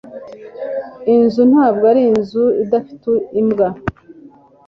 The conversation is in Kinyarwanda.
inzu ntabwo ari inzu idafite imbwa